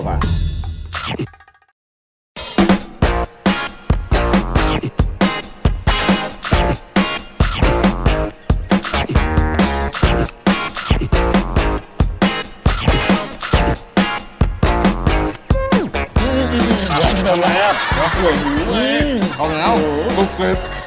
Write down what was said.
อื้ออะไรเหรอปล่อยเหยื่อเลยอื้อมีข้าวหน้าเอาดูกรีบ